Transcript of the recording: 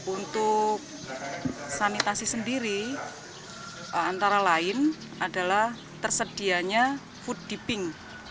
untuk sanitasi sendiri antara lain adalah tersedianya food deepping